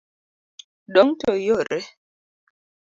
Dong' to iore.